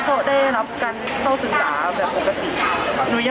หนูยังไม่ได้ยืนยันว่ามันเป็นตัวนี้เราก็ต้องรอผลตรวจอีกทีอ่ะค่ะ